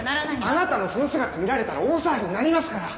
あなたのその姿見られたら大騒ぎになりますから。